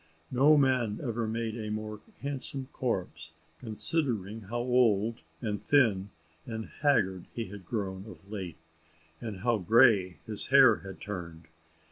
No man ever made a more handsome corpse, considering how old, and thin, and haggard he had grown of late; and how grey his hair had turned.